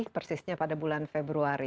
persisnya pada bulan februari